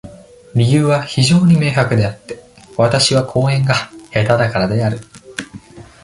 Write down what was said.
理由は非常に明白であって、私は講演が下手だからである。